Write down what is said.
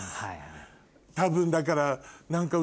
多分だから何か。